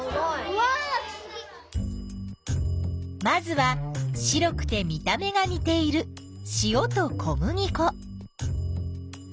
まずは白くて見た目がにているしおと小麦粉。